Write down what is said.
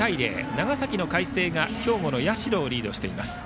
長崎の海星が兵庫の社をリードしています。